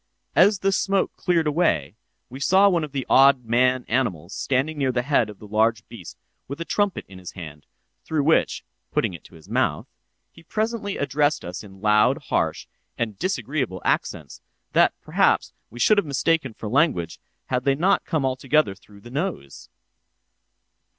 As the smoke cleared away, we saw one of the odd man animals standing near the head of the large beast with a trumpet in his hand, through which (putting it to his mouth) he presently addressed us in loud, harsh, and disagreeable accents, that, perhaps, we should have mistaken for language, had they not come altogether through the nose.